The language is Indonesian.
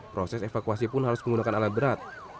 proses evakuasi pun harus menggunakan alat berat